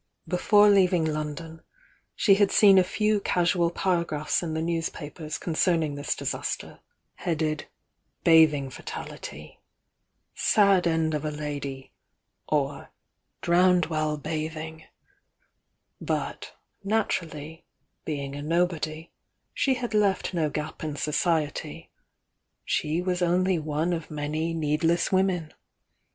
Btiore leaving London, she had seen a few casual paragraphs in the newspapers concerning this dis aster, headed "Bathing Fatality"— "Sad End of a Lady" — or "Drowned while Bathing," but, naturally, being a nobody, she had left no gap in society, — she was only one of many needless women.